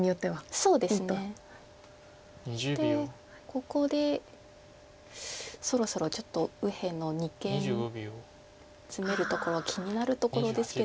ここでそろそろちょっと右辺の二間ツメるところ気になるところですけど。